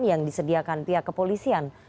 yang disediakan pihak kepolisian